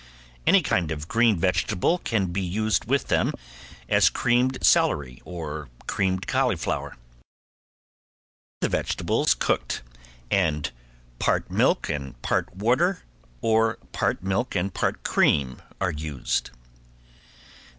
Any kind of green vegetable can be used with them, as creamed celery or creamed cauliflower. The vegetable is cooked and part milk and part water or part milk and part cream are used.